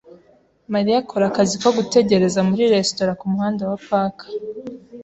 Mariya akora akazi ko gutegereza muri resitora kumuhanda wa Park.